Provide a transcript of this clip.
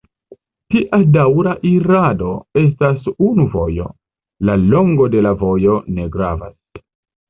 Tia daŭra irado estas unu movo: la longo de la vojo ne gravas.